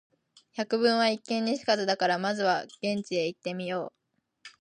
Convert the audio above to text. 「百聞は一見に如かず」だから、まずは現地へ行ってみよう。